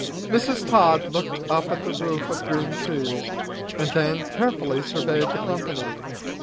Mrs. Todd looked up at the roof of green trees, and then carefully surveyed the company.